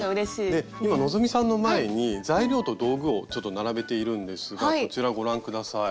で今希さんの前に材料と道具をちょっと並べているんですがこちらご覧下さい。